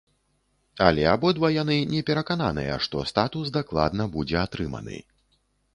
Але абодва яны не перакананыя, што статус дакладна будзе атрыманы.